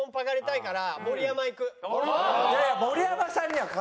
いやいや盛山さんには勝てる。